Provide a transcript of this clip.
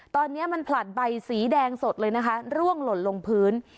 ตอนนี้มันผลัดใบสีแดงสดเลยนะคะร่วงหล่นลงพื้น